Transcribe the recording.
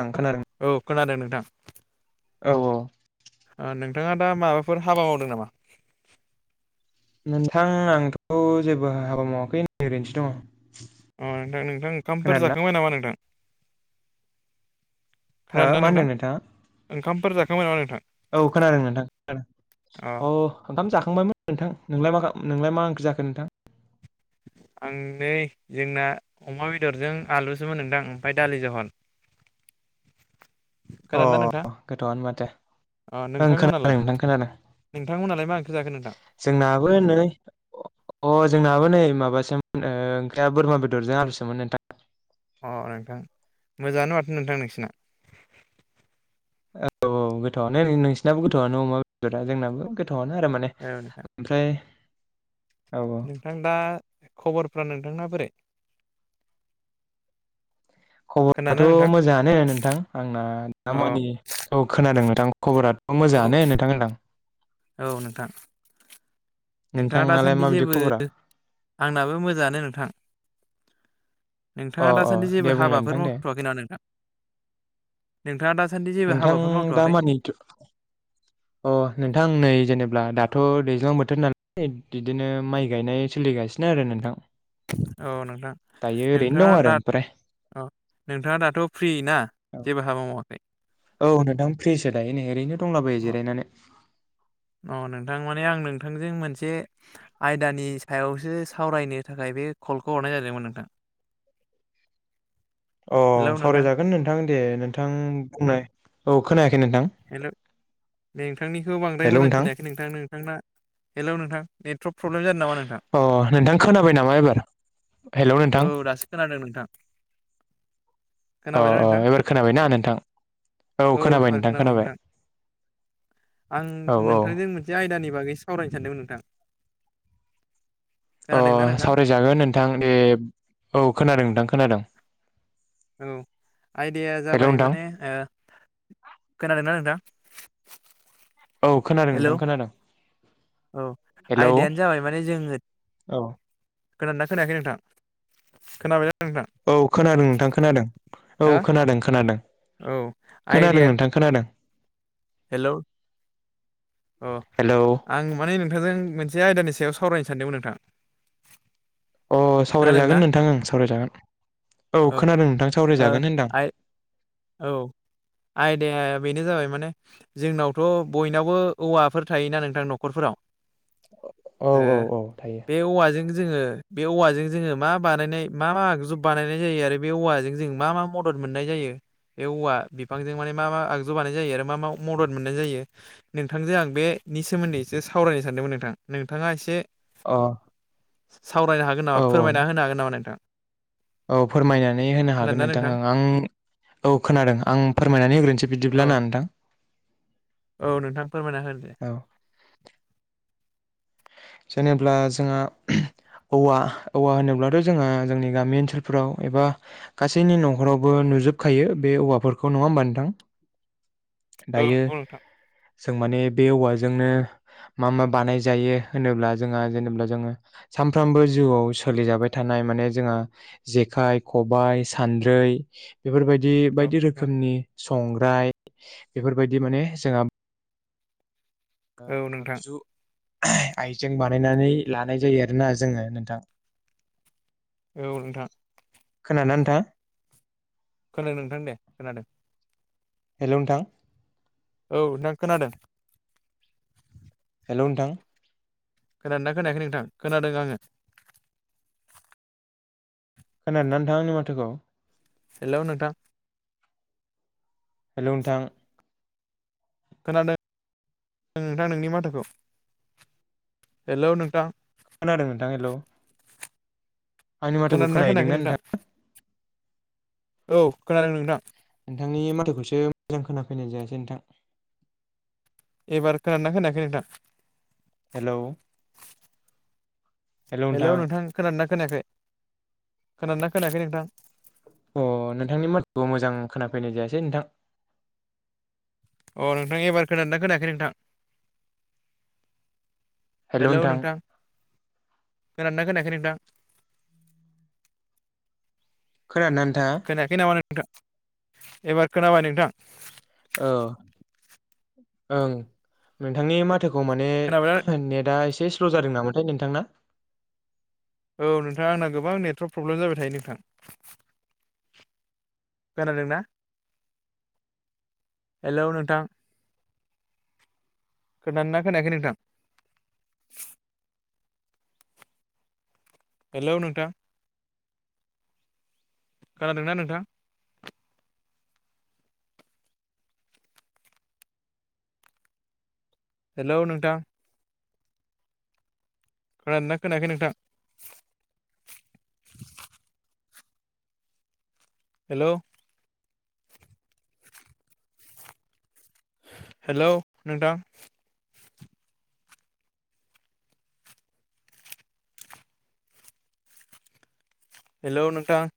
आं खोनादों औ खोनादों नोंथां औ औ ओ नोंथाङा दा माबाफोर हाबा मावदों नामा? नोंथां आंथ' जेबो हाबा मावाखै ओरैनोसो दङ। अ नोंथां नोंथां ओंखामफोर खोनादों ना जाखांबाय नामा नोंथां? हो खोनादों ना मा नोंथां? होनदों नोंथाङा? ओंखामफोर जाखांबाय नामा नोंथां? औ खोनादों नोंथां अ औ ओंखाम जाखांबायमोन नोंथां नोंलाय मा नोंलाय मा ओंख्रि जाखो नोंथां? आं नै जोंना अमा बेदरजों आलुसोमोन नोंथां ओमफ्राय दालि जहल अ खोनादों ना नोंथां? गोथावानो माथो अ ओं खोनादों नोंथांमोनालाय नोंथां खोनादों। नोंथांमोनालाय मा ओंख्रि जाखो नोंथां? जोंनाबो नै अ जोंनाबो नै माबासोमोन ओ ओंख्रिया बोरमा बेदरजों आलुसोमोन नोंथां। अ नोंथां मोजाङानो माथो नोंथां नोंसिना औ औ औ गोथावानो नों नोंसिनाबो गोथावआनो अमा बेदरा जोंनाबो गोथ थावानो आरो माने औ नोंथां ओमफ्राय औ औ नोंथां दा खबरफ्रा नोंथांना बोरै? खबफ्राथ' खोनादोंना नोंथां? मोजाङानो नोंथां आंना अ दाामानि ओ खोनादों नोंथां खबराथ' मोजां ङानो नोंथां होनदों आं औ नोंथां नोंथाङा नोंथांनालाय दासान्दि माबायदि जेबो खबरा आंनाबो मोजाङानो नोंथां अ नोंथाङा अ दासान्दि दे जेबो बुंलाय हाबाफोर नोंथां दे मावथ'वाखैना नोंथां नोंथाङा दा नोंथां दा मानिथ' अ नोंथां नै जेनेब्ला दाथ' दैज्लां बोथोर नालाय बिदिनो माइ गायनाय सोलि गासिनो आरो नोंथां औ नोंथां दायो ओरैनो नोंथाङा दं दा आरो ओमफ्राय अ नोंथाङा दाथ' फ्रि ना जेबो हाबा मावाखै। ओम फ्रिसो दायो नै ओरैनो दङ। जिरायनानै औ नोंथां माने आं नोंथांजों मोनसे आयदानि सायावसो सावरायनो थाखाय बे कलखौ हरनाय जादोंमोन नोंथां अ हेलौ नोंथां सावरायजागोन नोंथां दे नोंथां बुंनाय औ खोनाया खै नोंथां हेलौ नोंथांनिखौ बांद्राय मोजां खोनायाखै नोंथां नोंथांना हेलौ नोंथां नेटवर्क प्रब्लेम जादों नामा नोंथां अ नोंथां खोनाबाय नामा एबार? हेल' नोंथां औ दासो खोनादों नोंथां अ खोनाबायना अ नोंथां एबार खोनाबायना नोंथां औ खोनाबाय नोंथां खोनाबाय आं औ औ नोंथांजों मोनसे आयदानि बागै सावरायनो सानदोंमोन नोंथां अ खोनादोंना नोंथां सावरायजागोन नोंथां ए औ खोनादों नोंथां खोनादों औ आइदाया हेल' जाबाय नोंथां माने ओ खोनादोंना नोंथां औ खोनादों हेलौ नोंथां खोनादों औ हेलौ आयदायानो जाबाय माने जोङो औ खोनादों ना खोनायाखै नोंथां खोनाबायना नोंथां औ खोनादों नोंथां खोनादों औ हो खोनादों खोनादों औ खोनादों आइदाया नोंथां खोनादों हेलौ अ हेलौ आं माने नोंथांजों मोनसे आयदानि सायाव सायाव सावरायनो सानदोंमोन नोंथां अ खोनादोंना सावरायजागोन नोंथां ओं सावरायजागोन औ खोनादों नोंथां ओ सावरायजागोन होनदां आइ औ आयदाया बेनो जाबाय माने जोंनावथ' बयनावबो औवाफोर थायोना नोंथां न'खरफोराव औ ओ औ औ थायो बे औवाजों जोङो बे औवाजों जोङो मा बानायनाय मा मा आगजु बानायनाय जायो आरो बे औवाजों मा मा मदद मोननाय जायो बे औवा बिफांजों माने मा मा आगजु बानाय जायो आरो मा मा मदद मोननाय जायो नोंथांजों आं बे बेनि सोमोन्दै एसे सावरायनो सानदोंमोन नोंथां नोंथाङा एसे अ सावरायनो हागोन औ नामा औ फोरमायना होनो हागोन नामा नोंथां औ फोरमायनानै होनो हागोन नोंथां ओं आं औ खोनादों आं फोरमायनानै होग्रोनोसै औ बिदिब्ला ना नोंथां औ नोंथां फोरमायना हो दे औ जेनेब्ला जोंहा औवा औवा होनोब्लाथ' जोंहा जोंनि गामि ओनसोलफोराव एबा गासैनि न'खरावबो नुजोबखायो बे औवाफोरखौ नङा होमबा नोंथां? औ दायो नंगौ नोंथां जों माने बे औवाजोंनो मा मा बानाय जायो होनोब्ला जोंहा जेनेब्ला जोङो सानफ्रामबो जिउआव सोलिजाबाय थानाय माने जोंहा जि जेखाइ खबायाइ सान्द्रै बेफोरबायदि बिदि बायदि रोखोमनि संग्राय बेफोरबायदि माने जोंहा दा औ नोंथां औ नोंथां आगजु आइजें बानायनानै लानाय जायो आरोना जोङो नोंथां औ नोंथां खोनाना नोंथां खोनादों नोंथां दे खोनादों हेलौ नोंथां औ नोंथां खोनादों हेल' नोंथां खोनादोंना खोनायाखै नोंथां खोनादों आङो खोनादों ना नोंथां आंनि माथोखौ हेलौ नोंथां हेलौ नोंथां खोनादों नोंथां नोंनि माथाखौ हेलौ नोंथां खोनादों नोंथां हेलौ खोनादों ना खोनायाखै नोंथां औ खोनादों नोंथां नोंथांनि माथोखौसो मोजां खोनाफैनाय जायासै नोंथां एबार खोनादोना खोनायाखै नोंथां हेलौ हेलौ नोंथां खोनदोना खोनायाखै खोनादोना खोनायाखै नोंथां अ नोंथांनि माथोखौमोजां खोनाफैनाय जायासै नोंथां। अ नोंथां एबार खोनादोंना खोनायाखै नोंथां? हेलौ नोंथां। खोनादोंना खोनायाखै नोंथां? खोनादोंना नोंथाङा? खोनायाखै नामा नोंथां एबार खोनाबाय नोंथां। औ ओं नोंथांनि मा थोखौ माने खोनाबायना नेटआ एसे स्ल' जादों नामाथाय नोंथांना औ नोंथाङा आंना गोबां नेटवर्क प्रब्लेम जाबाय थायो नोंथां। खोनादोंना हेलौ नोंथां। खोनादों ना खोनायाखै नोंथां? हेल' नोंथां खोनादोंना नोंथां? हेलौ नोंथां खोनादोना खोनायाखै नोंथां? हेल' हेलौ नोंथां हेलौ नोंथां